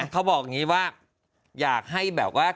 เขาบอกอย่างนี้ว่าอยากให้แบบว่า